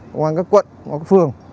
công an các quận các phường